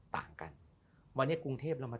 ต่างกันวันนี้กรุงเทพเรามา